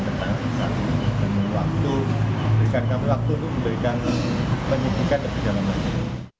dan waktu berikan kami waktu untuk memberikan penyibukan dan penyelidikan